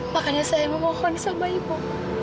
makanya saya memohon sama ibu